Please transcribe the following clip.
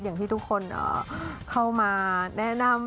อย่างที่ทุกคนเข้ามาแนะนำ